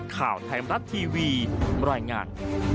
ข่าวไทยมรัฐทีวีบรรยายงาน